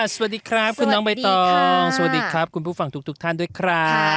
สวัสดีครับคุณน้องใบตองสวัสดีครับคุณผู้ฟังทุกท่านด้วยครับ